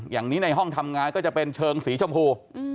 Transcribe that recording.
อย่างนี้ในห้องทำงานก็จะเป็นเชิงสีชมพู